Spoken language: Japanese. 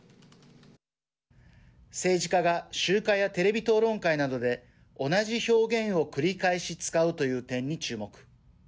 政治家が集会やテレビ討論会などで同じ表現を繰り返し使うという点に注目。